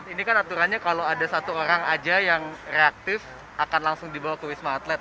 ini kan aturannya kalau ada satu orang aja yang reaktif akan langsung dibawa ke wisma atlet